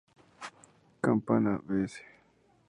Campana, Bs.